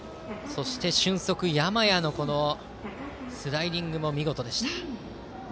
俊足、山家のスライディングも見事でした。